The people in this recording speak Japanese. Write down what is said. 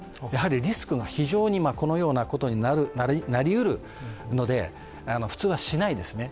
リスクがこのようなことになりうるので普通はしないですね。